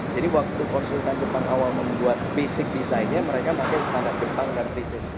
jadi waktu konsultan jepang awal membuat basic desainnya mereka pakai standar jepang dan british